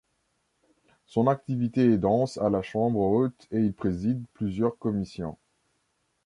Son activité est dense à la Chambre haute et il préside plusieurs commissions.